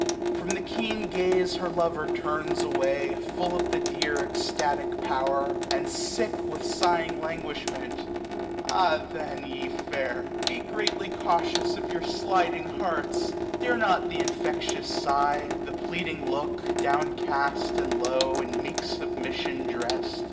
From the keen gaze her lover turns away, Full of the dear extabc power, and sick With sighing languishment. Ah then, ye fair ! 97^ Be greatly cautious of your sliding hearts : Dare not th' infectious sigh i the pleading look, Down cast, and low, in meek submission drest.